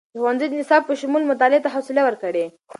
د ښوونځیو د نصاب په شمول، مطالعې ته خوصله ورکړئ.